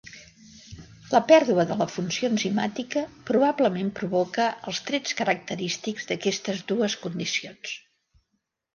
La pèrdua de la funció enzimàtica probablement provoca els trets característics d'aquestes dues condicions.